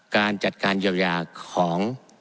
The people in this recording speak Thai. การจัดการเยียวยาของ